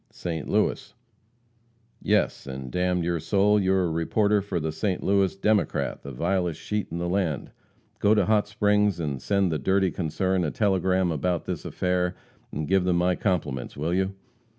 "St. Louis." "Yes, and d n your soul, you are a reporter for the St. Louis Democrat, the vilest sheet in the land. Go to Hot Springs and send the dirty concern a telegram about this affair, and give them my compliments, will you?"